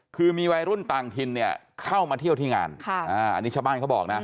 คือมีวัยรุ่นต่างถิ่นเนี่ยเข้ามาเที่ยวที่งานอันนี้ชาวบ้านเขาบอกนะ